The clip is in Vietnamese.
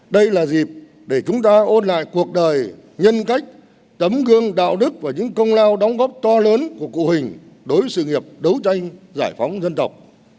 đây là dịp để chúng ta ôn lại cuộc đời nhân cách tấm gương đạo đức và những công lao đóng góp to lớn của cụ huỳnh đối với sự nghiệp đấu tranh giải phóng dân tộc